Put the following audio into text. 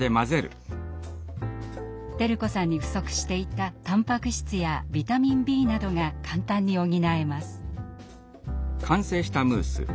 輝子さんに不足していたタンパク質やビタミンＢなどが簡単に補えます。